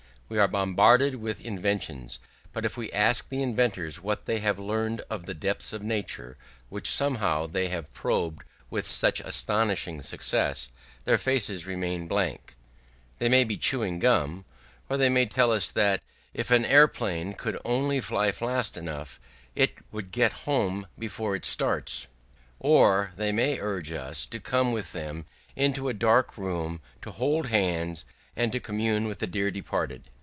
We are bombarded with inventions; but if we ask the inventors what they have learned of the depths of nature, which somehow they have probed with such astonishing success, their faces remain blank. They may be chewing gum; or they may tell us that if an aeroplane could only fly fast enough, it would get home before it starts; or they may urge us to come with them into a dark room, to hold hands, and to commune with the dear departed.